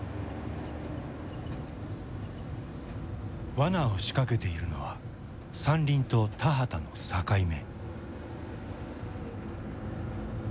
罠を仕掛けているのは山林と田畑の境目。